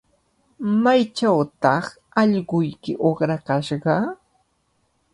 ¿Maychawtaq allquyki uqrakashqa?